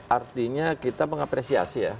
artinya kita mengapresiasi ya